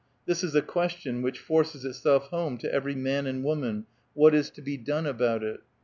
This is a question which forces itself home to every man and woman, " What is to be done about it?"